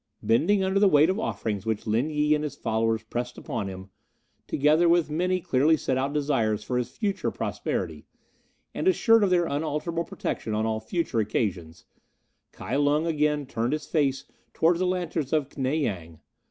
Bending under the weight of offerings which Lin Yi and his followers pressed upon him, together with many clearly set out desires for his future prosperity, and assured of their unalterable protection on all future occasions, Kai Lung again turned his face towards the lanterns of Knei Yang.